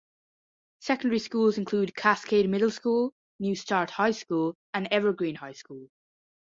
Secondary schools include Cascade Middle School, New Start High School, and Evergreen High School.